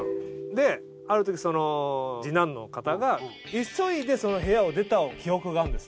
であるときその次男の方が急いで部屋を出た記憶があるんですって。